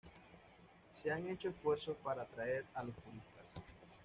Se han hecho esfuerzos para atraer a los turistas.